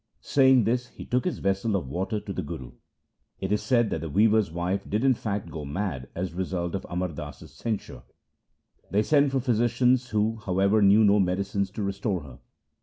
Saying this, he took his vessel of water to the Guru. It is said that the weaver's wife did in fact go mad as the result of Amar Das's censure. They sent for physi cians, who, however, knew no medicines to restore her.